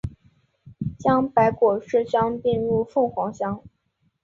将白果市乡并入凤凰乡。